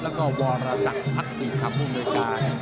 แล้วก็วรสักภักดิ์คัมภูมิจารย์